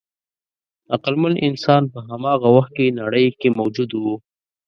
عقلمن انسان په هماغه وخت کې نړۍ کې موجود و.